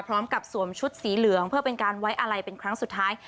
พร้อมกับสวมชุดสีเหลืองเพื่อเป็นการไว้อาลัยเป็นครั้งสุดท้าย